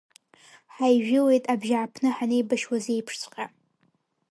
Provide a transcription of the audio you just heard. Ҳаижәылеит абжьааԥны ҳанеибашьуаз еиԥшҵәҟьа!